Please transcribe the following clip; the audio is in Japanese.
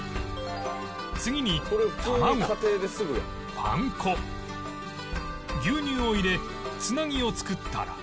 次にたまごパン粉牛乳を入れつなぎを作ったら